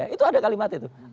itu ada kalimat itu